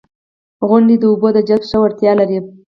• غونډۍ د اوبو د جذب ښه وړتیا لري.